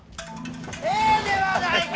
ええではないか！